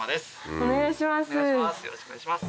お願いします。